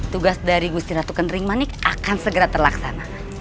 tugas dari gusti ratu kenering manik akan segera terlaksana